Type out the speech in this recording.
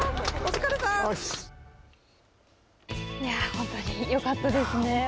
本当によかったですね。